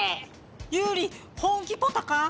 ユウリ本気ポタか？